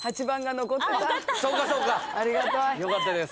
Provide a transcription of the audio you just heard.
８番が残ってた。